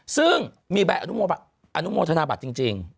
ซึ่งมีใบอนุโมธนาบัตรจริง